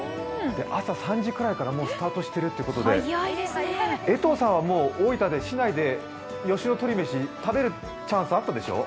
朝３時ぐらいからもうスタートしているっていうことで、江藤さんはもう大分市内で吉野鶏めし、食べるチャンスあったでしょう？